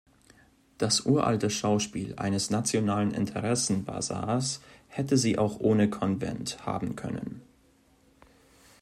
Das uralte Schauspiel eines nationalen Interessenbazars hätten sie auch ohne Konvent haben können.